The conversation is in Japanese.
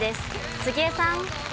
杉江さん。